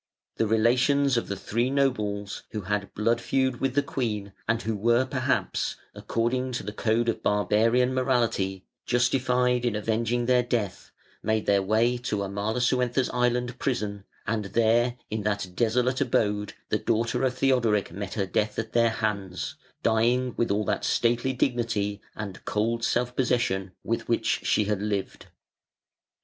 The relations of the three nobles, who had "blood feud" with the queen, and who were perhaps, according to the code of barbarian morality, justified in avenging their death, made their way to Amalasuentha's island prison, and there, in that desolate abode, the daughter of Theodoric met her death at their hands, dying with all that stately dignity and cold self possession with which she had lived.